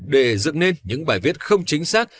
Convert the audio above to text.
để dựng nên những bài viết không chính xác